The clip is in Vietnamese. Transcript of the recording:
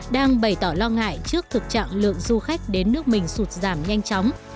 đang bày tỏ lo ngại trước thực trạng lượng du khách đến nước mình sụt giảm nhanh chóng